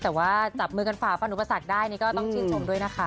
แต่ว่าจับมือกันฝ่าฟันอุปสรรคได้นี่ก็ต้องชื่นชมด้วยนะคะ